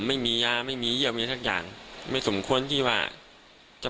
ไม่มียาไม่มีเยี่ยวมีอะไรสักอย่างไม่สมควรที่ว่าจะ